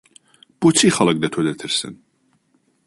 بۆچی خەڵک لە تۆ دەترسن؟